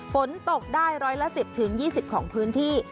ฝนตกได้ร้อยละ๑๐๒๐ของพื้นที่